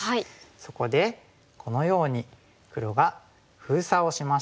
そこでこのように黒が封鎖をしまして。